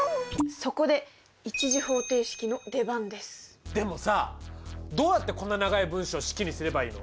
そこででもさどうやってこんな長い文章式にすればいいの？